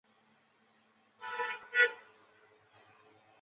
汉朝的统治家族是刘氏家族。